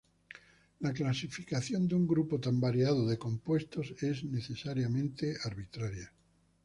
La clasificación de un grupo tan variado de compuestos es necesariamente arbitraria.